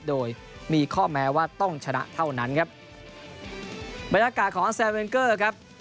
โดยมีข้อแม้ว่าต้องชนะเท่านั้นครับบรรยากาศของอาแซมเวนเกอร์ครับ